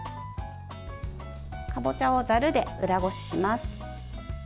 かぼちゃをざるで裏ごしします。